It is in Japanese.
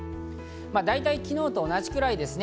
大体、昨日と同じくらいですね。